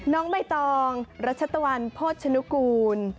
น้องใบตองรัชตะวันโภชนุกูล